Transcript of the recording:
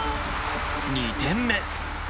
２点目。